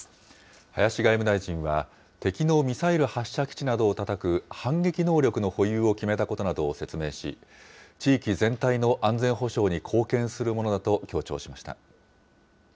林外務大臣は、敵のミサイル発射基地などをたたく反撃能力の保有を決めたことなどを説明し、地域全体の安全保障に貢献するものだと強調しました。